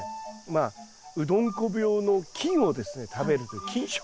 まあうどんこ病の菌をですね食べるという菌食系。